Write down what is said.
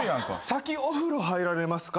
先お風呂入られますか？